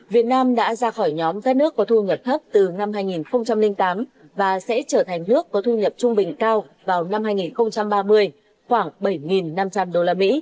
việt nam đã ra khỏi nhóm đất nước có thu nhập thấp từ năm hai nghìn tám và sẽ trở thành nước có thu nhập trung bình cao vào năm hai nghìn ba mươi khoảng bảy năm trăm linh usd